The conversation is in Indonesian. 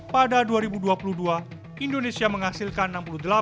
pada dua ribu dua puluh dua indonesia menghasilkan